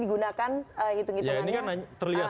digunakan hitung hitungannya ya ini kan terlihat